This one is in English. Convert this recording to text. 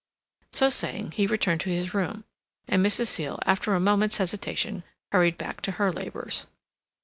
So saying he returned to his room, and Mrs. Seal, after a moment's hesitation, hurried back to her labors.